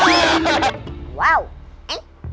kok boleh dikabur